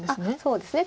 そうですね。